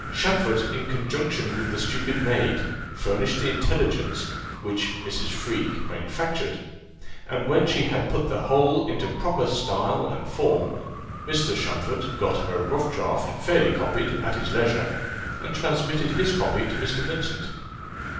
Champfort, in conjunction with the stupid maid, furnished the intelligence, which Mrs. Freke manufactured; and when she had put the whole into proper style and form, Mr. Champfort got her rough draught fairly copied at his leisure, and transmitted his copy to Mr. Vincent.